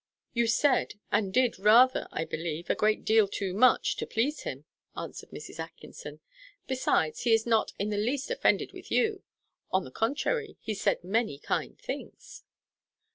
"You said and did rather, I believe, a great deal too much to please him," answered Mrs. Atkinson. "Besides, he is not in the least offended with you. On the contrary, he said many kind things."